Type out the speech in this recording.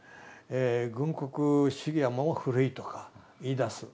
軍国主義はもう古いとか言いだす。